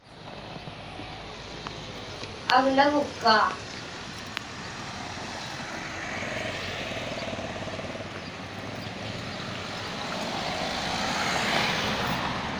Aglagukkaa.